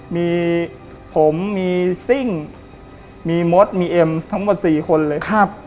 มีผมมีซิ่งมีมดมีเอ็มทั้งหมด๔คนเลย